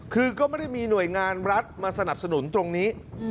คือก็ไม่ได้มีหน่วยงานรัฐมาสนับสนุนตรงนี้